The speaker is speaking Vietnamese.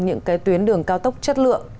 những cái tuyến đường cao tốc chất lượng